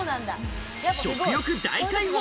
食欲大解放！